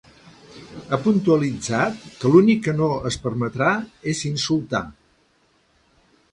Ha puntualitzat que l’únic que no es permetrà és insultar.